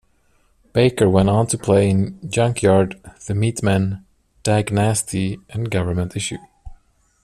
Baker went on to play in Junkyard, the Meatmen, Dag Nasty and Government Issue.